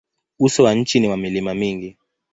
Uso wa nchi ni wa milima mingi.